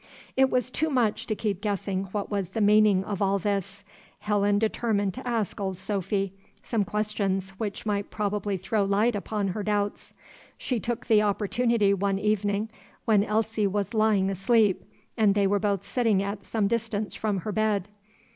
It was too much to keep guessing what was the meaning of all this. Helen determined to ask Old Sophy some questions which might probably throw light upon her doubts. She took the opportunity one evening when Elsie was lying asleep and they were both sitting at some distance from her bed.